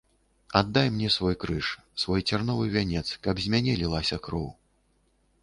Аддай мне свой крыж, свой цярновы вянец, каб з мяне лілася кроў.